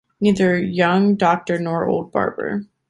Neither young doctor nor old barber.